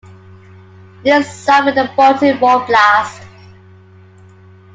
He then signed with the Baltimore Blast.